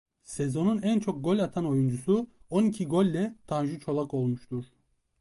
Sezonun en çok gol atan oyuncusu on iki golle Tanju Çolak olmuştur.